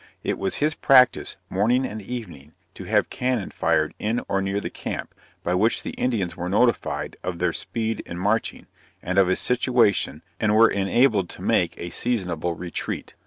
It was his practice, morning and evening, to have cannon fired in or near the camp, by which the Indians were notified of their speed in marching, and of his situation, and were enabled to make a seasonable retreat.